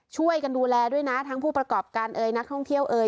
ช่วยกันดูแลด้วยนะทั้งผู้ประกอบการเอยนักท่องเที่ยวเอย